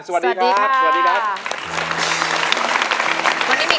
สวัสดีครับคุณหน่อย